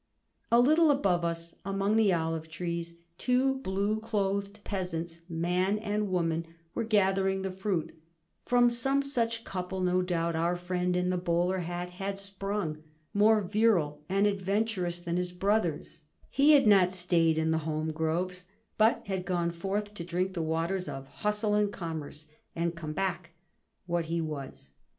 A little above us, among the olive trees, two blue clothed peasants, man and woman, were gathering the fruit—from some such couple, no doubt, our friend in the bowler hat had sprung; more "virile" and adventurous than his brothers, he had not stayed in the home groves, but had gone forth to drink the waters of hustle and commerce, and come back—what he was.